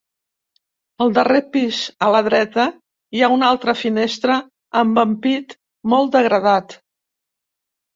Al darrer pis a la dreta, hi ha una altra finestra amb ampit molt degradat.